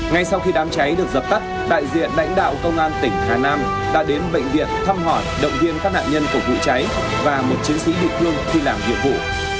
ngay sau khi đám cháy được dập tắt đại diện đảnh đạo công an tỉnh hà nam đã đến bệnh viện thăm hỏi động viên các nạn nhân cổ vụ cháy và một chiến sĩ địch lung khi làm việc vụ